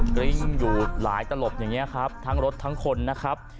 กริ้งอยู่หลายตลบอย่างนี้ครับทั้งรถทั้งคนนะครับ